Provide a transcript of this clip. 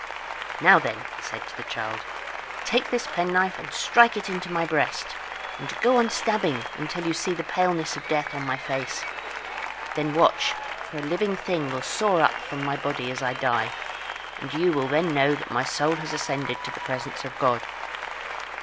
"Now, then," he said to the child, "take this penknife and strike it into my breast, and go on stabbing the flesh until you see the paleness of death on my face. Then watch for a living thing will soar up from my body as I die, and you will then know that my soul has ascended to the presence of God.